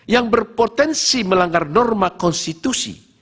yang berpotensi melanggar norma konstitusi